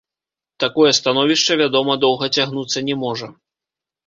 Такое становішча, вядома, доўга цягнуцца не можа.